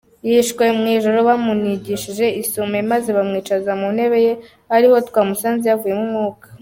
Yishwe mu ijoro bamunigishije isume maze bamwicaza mu ntebe ye ariho twamusanze yavuyemo umwuka.